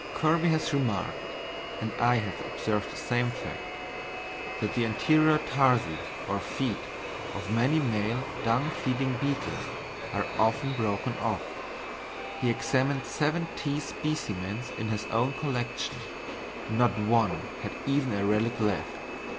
Kirby has remarked (and I have observed the same fact) that the anterior tarsi, or feet, of many male dung feeding beetles are often broken off; he examined seventeen specimens in his own collection, and not one had even a relic left.